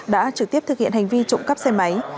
đã trực tiếp thực hiện hành vi trộm cắp xe máy